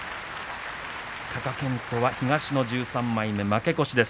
貴健斗は東の１３枚目負け越しです。